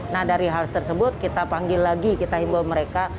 nah dari hal tersebut kita panggil lagi kita himbau mereka